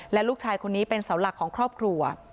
และลูกชายคนนี้เป็นเสาหลักของครอบครัว